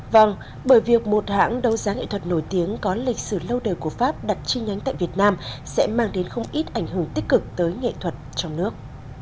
vâng bởi việc một hãng đấu giá nghệ thuật nổi tiếng có lịch sử lâu đời của pháp đặt chi nhánh tại việt nam sẽ mang đến không ít ảnh hưởng tích cực tới nghệ thuật trong nước